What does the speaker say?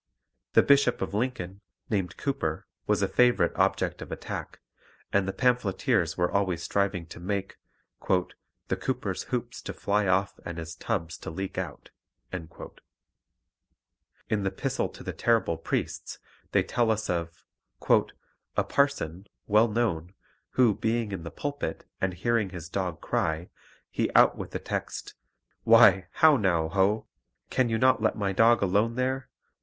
The Bishop of Lincoln, named Cooper, was a favourite object of attack, and the pamphleteers were always striving to make "the Cooper's hoops to flye off and his tubs to leake out." In the Pistle to the Terrible Priests they tell us of "a parson, well known, who, being in the pulpit, and hearing his dog cry, he out with the text, 'Why, how now, hoe! can you not let my dog alone there?